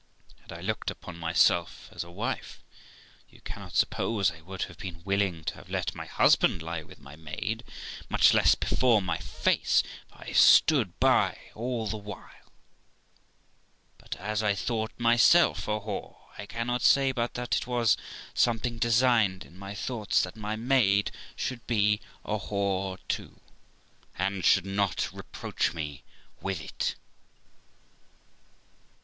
Had I looked upon myself as a wife, you cannot suppose I would have been willing to have let my husband lie with my maid, much less before my face, for I stood by all the while; but, as I thought myself a whore, I cannot say but that it was something designed in my thoughts that my maid should be a whore too, and should not reproach me with it.